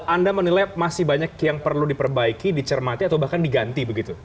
anda menilai masih banyak yang perlu diperbaiki dicermati atau bahkan diganti begitu